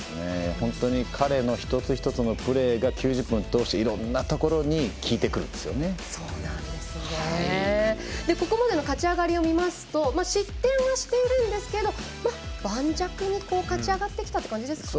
本当に彼の一つ一つのプレーが９０分を通していろんなところにここまでの勝ち上がりを見ますと失点はしているんですけど盤石に勝ち上がってきたという感じですかね。